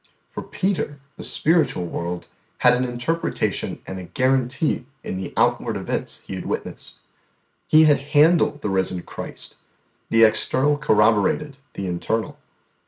For Peter the spiritual world had an interpretation and a guarantee in the outward events he had witnessed. He had handled the Risen Christ, the external corroborated the internal.